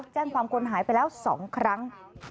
แจ้งความคนหายไปแล้ว๒ครั้ง